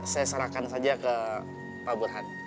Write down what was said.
saya serahkan saja ke pak burhan